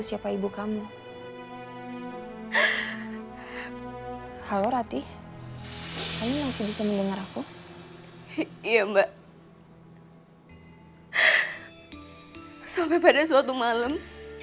sampai pada suatu malam